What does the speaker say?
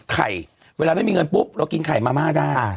ไข่เวลาไม่มีเงินปุ๊บเรากินไข่มาม่าได้